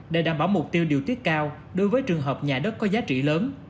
để đảm bảo mục tiêu điều tiết cao đối với trường hợp nhà đất có giá trị lớn